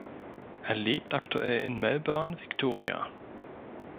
Er lebt aktuell in Melbourne, Victoria.